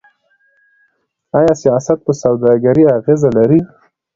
آیا سیاست په سوداګرۍ اغیز لري؟